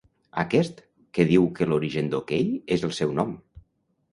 Aquest, que diu que l'origen d'OK és el seu nom.